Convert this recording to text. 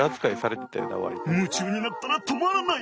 夢中になったら止まらない！